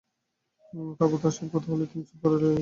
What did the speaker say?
তারপর তাঁর সব কথা বলা হলে তিনি চুপ করে রইলেন।